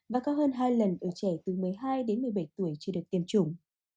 và cao hơn hai lần ở trẻ từ một mươi hai đến một mươi bảy tuổi chưa được tiêm chủng